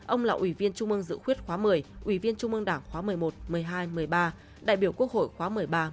ông là ủy viên trung mương dự khuyết khóa một mươi ủy viên trung mương đảng khóa một mươi một một mươi hai một mươi ba đại biểu quốc hội khóa một mươi ba một mươi bốn